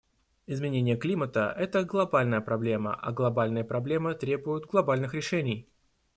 Изменение климата — это глобальная проблема, а глобальные проблемы требуют глобальных решений.